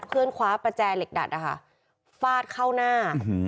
เฟื่นคว้าประจ่ายเหล็กดัดอะฮะฟาดเข้าหน้า